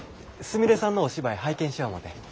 （すみれさんのお芝居拝見しよ思て。